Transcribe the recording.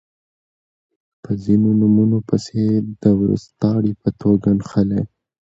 په ځینو نومونو پسې د وروستاړي په توګه نښلی